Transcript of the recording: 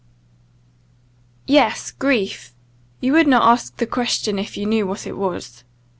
"Yes, grief; you would not ask the question if you knew what it was."